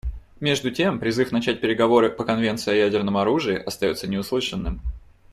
Между тем призыв начать переговоры по конвенции о ядерном оружии остается неуслышанным.